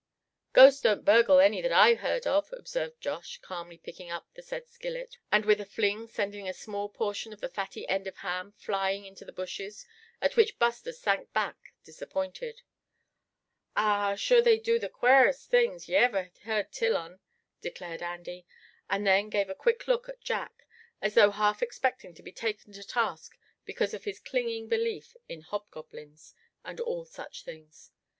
"Ghosts don't burgle any that I ever heard of," observed Josh, calmly picking up the said skillet, and with a fling sending a small portion of the fatty end of ham flying into the bushes, at which Buster sank back, disappointed. "Arrah, sure they do the quarest things ye iver heard till on," declared Andy; and then gave a quick look at Jack, as though half expecting to be taken to task because of his clinging belief in hobgoblins, and all such things.